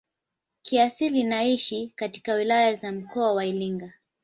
Kiasili linaishi katika wilaya za mkoa wa Iringa